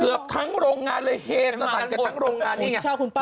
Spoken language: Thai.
เกือบทั้งโรงงานเลยเฮสนัดกันทั้งโรงงานนี้ไง